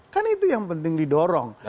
kan itu yang penting didorong